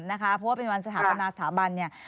เพราะว่าเป็นวันสถาบันเนี่ย